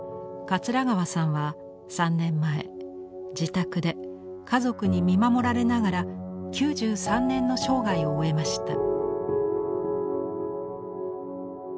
桂川さんは３年前自宅で家族に見守られながら９３年の生涯を終えました。